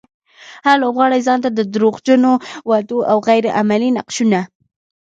هر لوبغاړی ځانته د دروغجنو وعدو او غير عملي نقشونه.